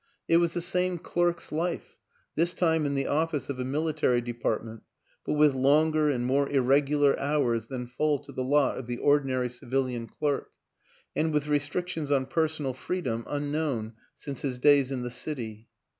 It was the same clerk's life this time in the office of a mili tary department but with longer and more ir regular hours than fall to the lot of the ordinary civilian clerk, and with restrictions on personal freedom unknown since his days in the City.